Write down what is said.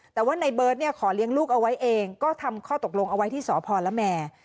แต่ว่าในเบิร์ตขอเลี้ยงลูกเอาไว้เองก็ทำข้อตกลงเอาไว้ที่สพละแม่